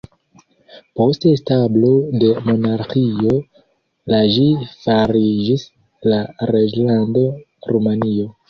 Post establo de monarĥio la ĝi fariĝis la Reĝlando Rumanio.